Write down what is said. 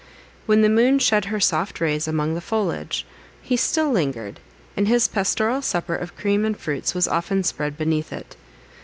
When the moon shed her soft rays among the foliage, he still lingered, and his pastoral supper of cream and fruits was often spread beneath it.